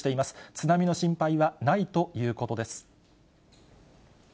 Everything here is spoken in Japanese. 津波の心配はないということです。